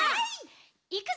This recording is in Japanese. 「いくぞ！」。